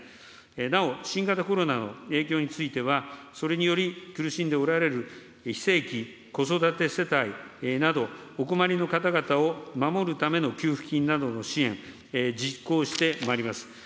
なお、新型コロナの影響については、それにより、苦しんでおられる非正規、子育て世帯など、お困りの方々を守るための給付金などの支援、実行してまいります。